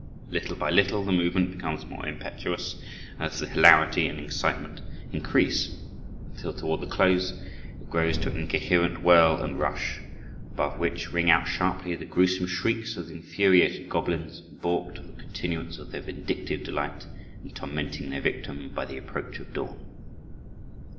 Little by little the movement becomes more impetuous, as the hilarity and excitement increase, until toward the close it grows to an incoherent whirl and rush, above which ring out sharply the gruesome shrieks of the infuriated goblins, balked of the continuance of their vindictive delight in tormenting their victim, by the approach of dawn.